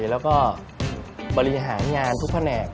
แล้วก็บริหารงานทุกแผนก